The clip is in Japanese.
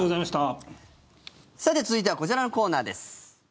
さて、続いてはこちらのコーナーです。